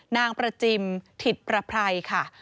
นางประจิมถิตประไพรค่ะ